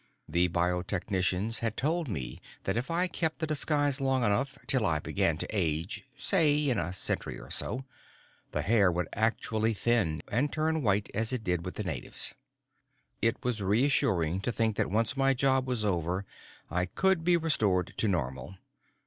The biotechnicians had told me that if I kept the disguise long enough, till I began to age say, in a century or so the hair would actually thin and turn white as it did with the natives. It was reassuring to think that once my job was over, I could be restored to normal.